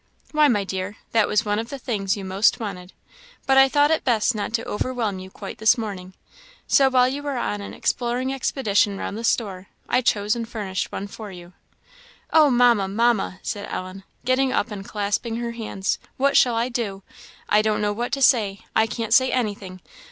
"Why, my dear, that was one of the things you most wanted, but I thought it best not to overwhelm you quite this morning; so while you were on an exploring expedition round the store, I chose and furnished one for you." "Oh Mamma, Mamma!" said Ellen, getting up and clasping her hands, "what shall I do? I don't know what to say; I can't say anything.